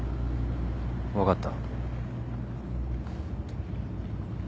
分かった。